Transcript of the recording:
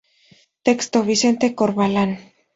Texto: Vicente Corvalán.